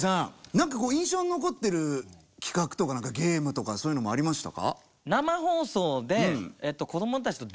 何かこう印象に残ってる企画とか何かゲームとかそういうのもありましたか？